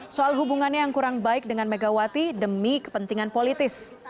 soal hubungannya yang kurang baik dengan megawati demi kepentingan politis